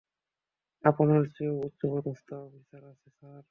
আপনার চেয়েও উচ্চপদস্থ অফিসার আছে, স্যার।